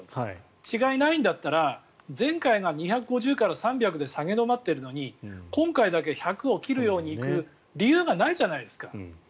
違いがないんだったら前回は２５０から３００で下げ止まっているのに今回だけ１００を切るように行く理由がないじゃないですか。